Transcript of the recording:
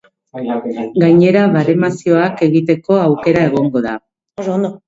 Gainera, baremazioak egiteko aukera egongo da.